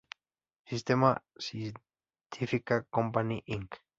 Sistemas científica Company, Inc.